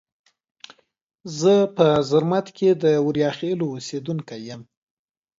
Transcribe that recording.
زه په زرمت کې د اوریاخیلو اوسیدونکي یم.